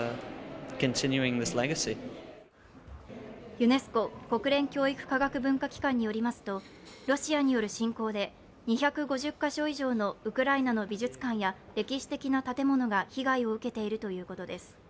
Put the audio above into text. ユネスコ＝国連教育科学文化機関によりますとロシアによる侵攻で２５０か所以上のウクライナの美術館や歴史的な建物が被害を受けているということです。